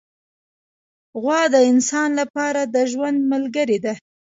غوا د انسان له پاره د ژوند ملګرې ده.